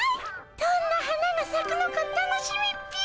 どんな花がさくのか楽しみっピ。